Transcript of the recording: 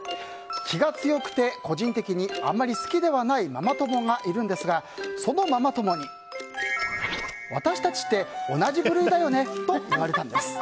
気が強くて個人的にあまり好きではないママ友がいるんですがそのママ友に私たちって同じ部類だよね！と言われたんです。